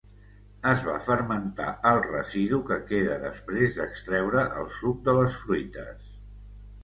Es fa fermentar el residu que queda després d'extreure el suc de les fruites.